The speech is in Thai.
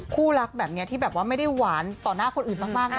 คู่รักแบบนี้ที่แบบว่าไม่ได้หวานต่อหน้าคนอื่นมากนะ